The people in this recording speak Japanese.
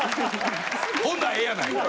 ほなええやないか。